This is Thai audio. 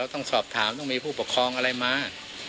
ต้องสอบถามต้องมีผู้ปกครองอะไรมา